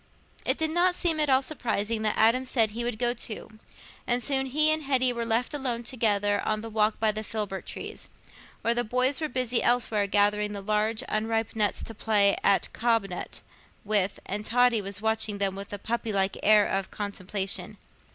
It did not seem at all surprising that Adam said he would go too, and soon he and Hetty were left alone together on the walk by the filbert trees, while the boys were busy elsewhere gathering the large unripe nuts to play at "cob nut" with, and Totty was watching them with a puppylike air of contemplation.